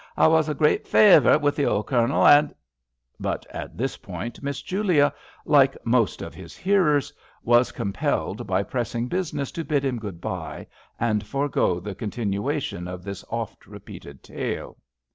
I was a great favouright wi' the old Cournel, and" — But at this point Miss Julia, like most 88 SNARES of his hearers, was compelled by pressing business to bid him good bye, and forego the continuation of this oft repeated tale.